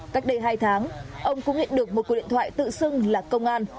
cách đây hai tháng ông cũng nhận được một cuộc điện thoại tự xưng là công an